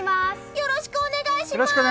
よろしくお願いします！